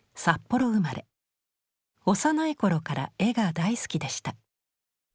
幼い頃から絵が大好きでした。